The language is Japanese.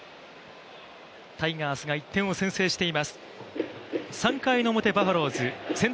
タイガースが１点を先制しています。